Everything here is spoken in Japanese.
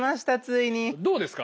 どうですか？